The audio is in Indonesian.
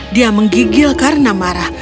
dia menggigil karena marah